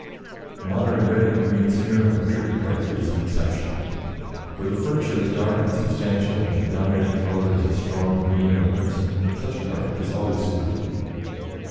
The modern red and green Smyrna or Turkey carpet is an exception. Where the furniture is dark and substantial, and the predominating color is a strong green or crimson, such a carpet is always suitable.